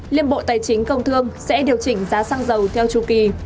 liên bộ tài chính công thương sẽ điều chỉnh giá xăng dầu theo chu kỳ